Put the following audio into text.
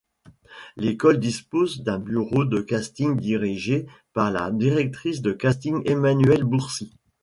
L'école dispose d'un bureau de casting dirigé par la directrice de casting Emmanuelle Bourcy.